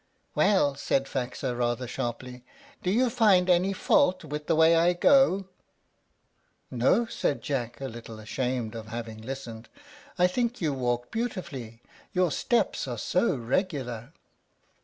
"Well," said Faxa, rather sharply, "do you find any fault with the way I go?" "No," said Jack, a little ashamed of having listened. "I think you walk beautifully; your steps are so regular."